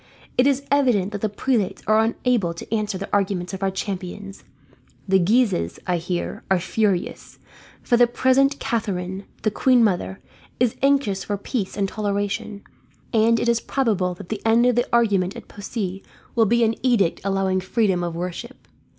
It is evident that the prelates are unable to answer the arguments of our champions. The Guises, I hear, are furious; for the present Catharine, the queen mother, is anxious for peace and toleration, and it is probable that the end of this argument at Poissy will be an edict allowing freedom of worship.